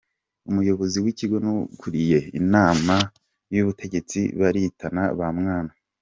Umuyobozi w’Ikigo n’Ukuriye Inama y’Ubutegetsi baritana ba mwana.